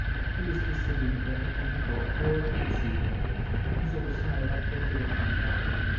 Egli scrisse dunque e pubblicò "War in Syria", un suo personale racconto della campagna.